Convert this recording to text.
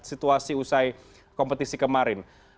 situasi usai kompetisi kemarin